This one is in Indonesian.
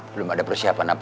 belum ada persiapan apa